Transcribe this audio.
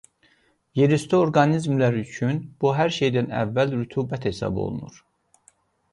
Yerüstü orqanizmlər üçün bu hər şeydən əvvəl rütubət hesab olunur.